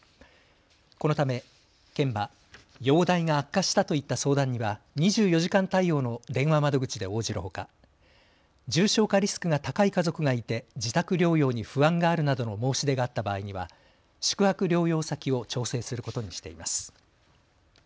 このため県は容体が悪化したといった相談には２４時間対応の電話窓口で応じるほか重症化リスクが高い家族がいて自宅療養に不安があるなどの申し出があった場合には宿泊療養先を調整することにしています。